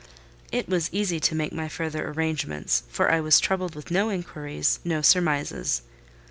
It was easy to make my further arrangements; for I was troubled with no inquiries—no surmises.